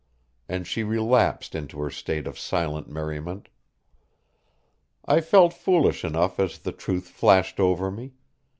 And she relapsed into her state of silent merriment. I felt foolish enough as the truth flashed over me.